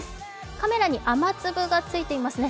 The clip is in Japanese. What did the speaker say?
カメラに雨粒がついていますね。